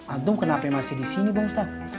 antung kenapa masih disini bapak ustaz